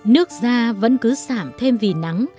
nước da vẫn cứ sảm thêm vì nắng